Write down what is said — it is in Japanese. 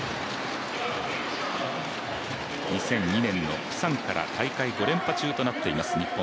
２００２年のプサンから大会５連覇中となっています日本。